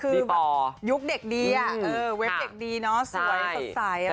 คือแบบยุคเด็กดีอะเออเวฟเด็กดีเนอะสวยสดใสอะไรอย่างงี้